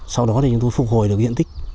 sau đó thì chúng tôi phục hồi được cái diện tích